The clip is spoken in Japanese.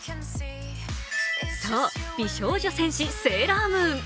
そう、「美少女戦士セーラームーン」。